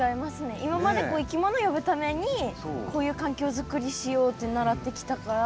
今までいきもの呼ぶためにこういう環境作りしようって習ってきたから。